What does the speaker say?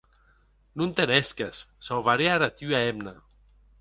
Non te’n hèsques, sauvarè ara tua hemna.